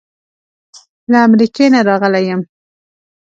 له امریکې نه راغلی یم.